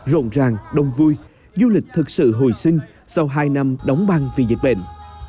rộn ràng đông vui du lịch thực sự hồi sinh sau hai năm đóng băng vì dịch bệnh